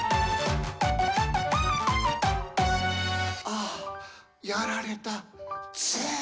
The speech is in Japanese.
「ああ、や、ら、れ、た、、ＺＥ」